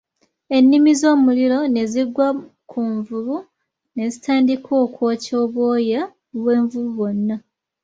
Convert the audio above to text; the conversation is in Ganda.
Ennimi z'omuliro ne zigwa ku nvubu ne zitandika okwokya obwoya bw'envubu bwonna.